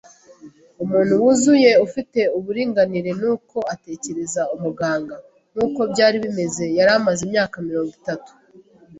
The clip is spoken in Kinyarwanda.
umuntu wuzuye ufite uburinganire; nuko atekereza umuganga. Nkuko byari bimeze, yari amaze imyaka mirongo itatu